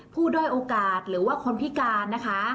ด้อยโอกาสหรือว่าคนพิการนะคะ